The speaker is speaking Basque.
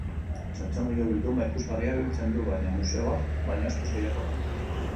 Txotxongilo bilduma ikusgarria biltzen du, baina museo bat baino askoz gehiago da.